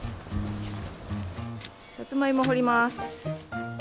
さつまいも掘ります。